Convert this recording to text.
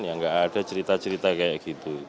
yang tidak ada cerita cerita seperti ini